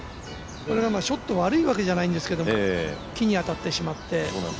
ショット悪いわけじゃないんですけど木に当たってしまって。